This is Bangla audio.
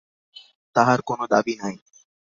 তাহার কোনো দাবি নাই।